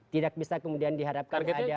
tidak bisa kemudian diharapkan ada